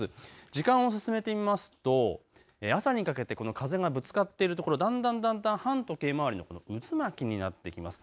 時間を進めてみますと朝にかけてこの風がぶつかっている所、だんだんだんだん反時計回りの渦巻きになってきます。